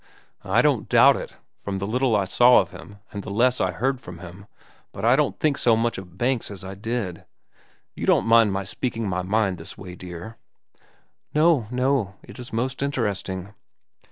"I don't doubt it—from the little I saw of him and the less I heard from him; but I don't think so much of banks as I did. You don't mind my speaking my mind this way, dear?" "No, no; it is most interesting."